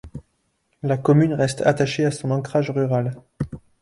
La commune reste attaché à son encrage rural.